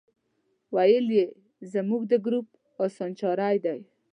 ویل یې زموږ د ګروپ اسانچاری دی.